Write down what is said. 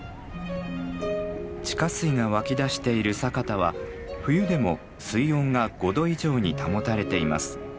地下水が湧き出している佐潟は冬でも水温が５度以上に保たれています。